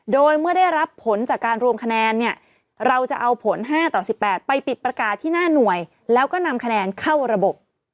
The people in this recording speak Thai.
โดยเมื่อได้รับผลจากการรวมคะแนนเนี่ยเราจะเอาผล๕ต่อ๑๘ไปปิดประกาศที่หน้าหน่วยแล้วก็นำคะแนนเข้าระบบ